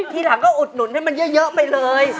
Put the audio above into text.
ทีหลังก็อุดหนุนให้มันเยอะไปเลย